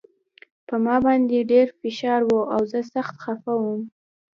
په ما باندې ډېر فشار و او زه سخت خپه وم